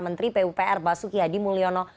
menteri pupr basuki hadi mulyono